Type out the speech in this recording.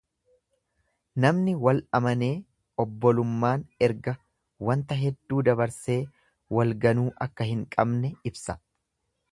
Namni wal amanee obbolummaan erga wanta hedduu dabarsee wal ganuu akka hin qabne ibsa.